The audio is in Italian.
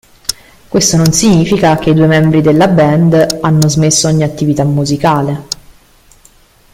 Questo non significa che i due membri della band hanno smesso ogni attività musicale.